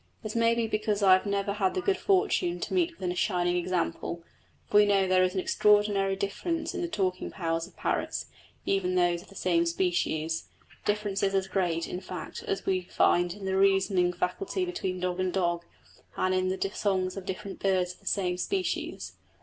This may be because I have never had the good fortune to meet with a shining example, for we know there is an extraordinary difference in the talking powers of parrots, even in those of the same species differences as great, in fact, as we find in the reasoning faculty between dog and dog, and in the songs of different birds of the same species.